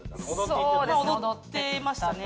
踊っていましたね。